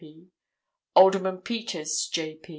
P., Alderman Peters, J.